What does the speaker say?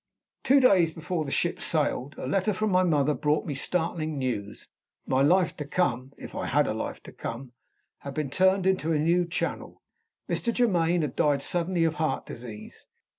Two days before the ship sailed a letter from my mother brought me startling news. My life to come if I had a life to come had been turned into a new channel. Mr. Germaine had died suddenly, of heart disease.